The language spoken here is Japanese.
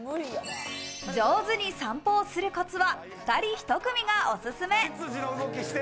上手に散歩をするコツは、２人１組がおすすめ。